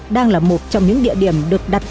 đang là một trong những địa điểm được đặt